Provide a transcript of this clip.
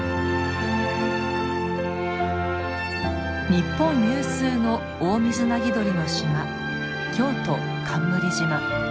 日本有数のオオミズナギドリの島京都冠島。